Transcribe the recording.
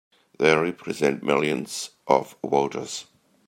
They represent millions of voters!